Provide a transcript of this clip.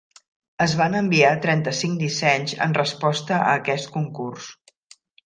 Es van enviar trenta-cinc dissenys en resposta a aquest concurs.